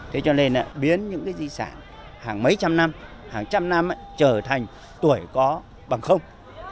thế cho nên là biến những cái di sản hàng mấy trăm năm hàng trăm năm trở thành tuổi có bằng không